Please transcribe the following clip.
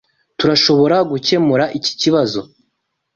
Turashoboragukemura iki kibazo?